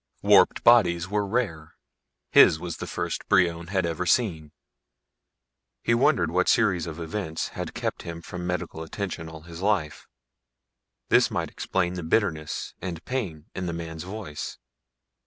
Warped bodies were rare his was the first Brion had ever seen. He wondered what series of events had kept him from medical attention all his life. This might explain the bitterness and pain in the man's voice.